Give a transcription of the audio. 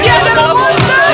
dia adalah monster